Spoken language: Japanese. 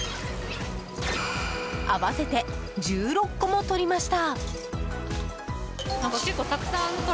合わせて１６個も取りました。